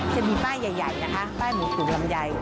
จะมีป้ายใหญ่นะคะป้ายหมูขุนลำไย